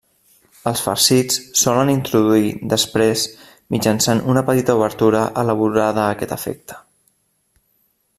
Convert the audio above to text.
Els farcits solen introduir després mitjançant una petita obertura elaborada a aquest efecte.